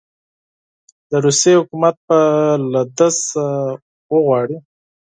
د روسیې حکومت به له ده څخه وغواړي.